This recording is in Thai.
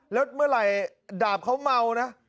แล้วเมื่อไหร่ดาบเขาเมานะ